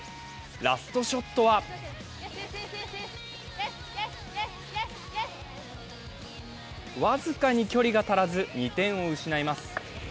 ラストショットは僅かに距離が足らず２点を失います。